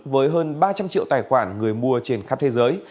với hơn ba trăm linh triệu tài khoản người mua trên khắp thế giới